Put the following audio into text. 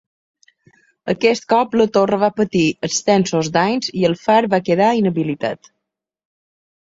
Aquest cop, la torre va patir extensos danys i el far va quedar inhabilitat.